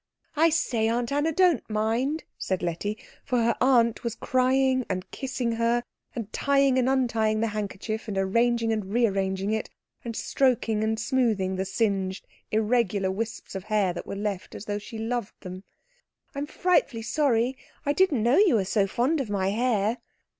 "I say, Aunt Anna, don't mind," said Letty; for her aunt was crying, and kissing her, and tying and untying the handkerchief, and arranging and rearranging it, and stroking and smoothing the singed irregular wisps of hair that were left as though she loved them. "I'm frightfully sorry I didn't know you were so fond of my hair."